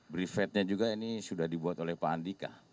brifetnya juga ini sudah dibuat oleh pak andika